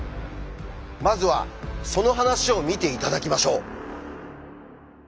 まずはその話を見て頂きましょう。